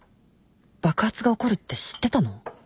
爆発が起こるって知ってたの？